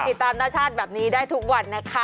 ติดตามนาชาติแบบนี้ได้ทุกวันนะคะ